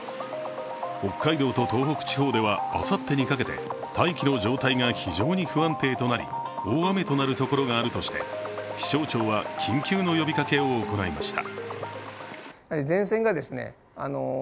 北海道と東北地方ではあさってにかけて大気の状態が非常に不安定となり大雨となるところがあるとして気象庁は緊急の呼びかけを行いました。